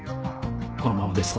このままですと